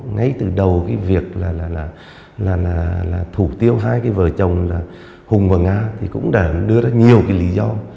ngay từ đầu cái việc là thủ tiêu hai cái vợ chồng là hùng và nga thì cũng đã đưa ra nhiều cái lý do